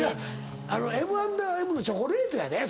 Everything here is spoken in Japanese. Ｍ＆Ｍ’Ｓのチョコレートやで？